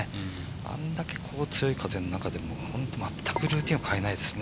あれだけ強い風の中でも全くルーティンを変えないですよね。